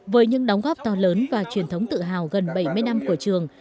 với những đóng góp to lớn và truyền thống tự hào gần bảy mươi năm của trường